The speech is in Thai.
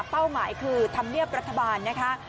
เป้าหมายคือทำเมียบรัฐบาลนะคะ